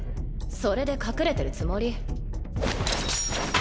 それで隠れてるつもり？